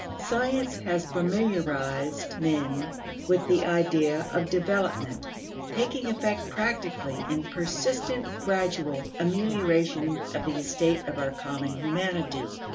Science has familiarized men with the idea of development, taking effect practically in persistent gradual amelioration of the estate of our common humanity.